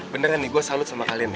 beneran nih gua salut sama kalian